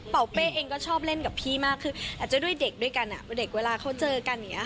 เป้เองก็ชอบเล่นกับพี่มากคืออาจจะด้วยเด็กด้วยกันเด็กเวลาเขาเจอกันอย่างนี้